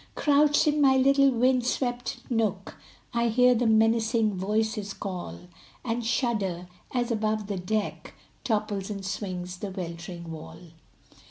Crouched in my little wind swept nook, I hear the menacing voices call, And shudder, as above the deck Topples and swings the weltering wall.